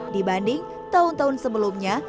dibanding tahun tahun sebelumnya